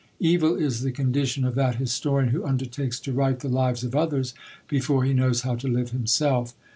_Evil is the condition of that historian who undertakes to write the lives of others, before he knows how to live himself.